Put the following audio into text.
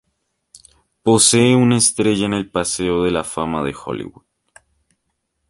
Posee una estrella en el Paseo de la Fama de Hollywood.